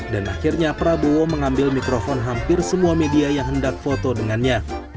dan akhirnya prabowo mengambil mikrofon hampir semua media yang hendak foto dengannya